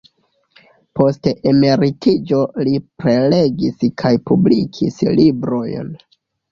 Post emeritiĝo li prelegis kaj publikis librojn.